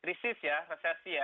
krisis ya resesi ya